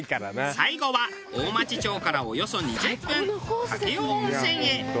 最後は大町町からおよそ２０分武雄温泉へ。